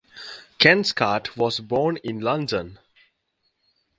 Ken Scott was born in London.